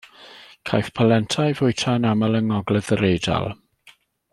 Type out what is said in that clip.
Caiff polenta ei fwyta yn aml yng Ngogledd yr Eidal.